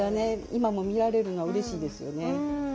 今も見られるのはうれしいですよね。